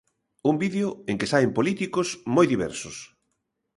Un vídeo en que saen políticos moi diversos.